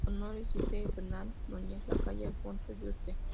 En su honor existe en Fernán Núñez la Calle Alfonso Yuste.